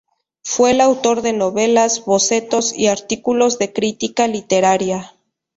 Fue el autor de novelas, bocetos y artículos de crítica literaria.